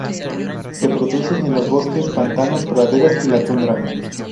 Se produce en los bosques, pantanos, praderas y la tundra.